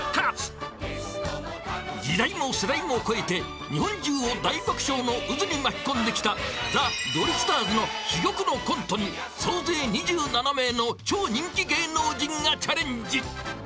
［時代も世代も超えて日本中を大爆笑の渦に巻き込んできたザ・ドリフターズの珠玉のコントに総勢２７名の超人気芸能人がチャレンジ］